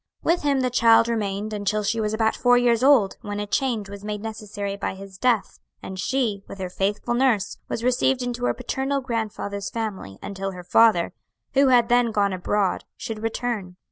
"With him the child remained until she was about four years old when a change was made necessary by his death, and she, with her faithful nurse, was received into her paternal grandfather's family until her father, who had then gone abroad, should return.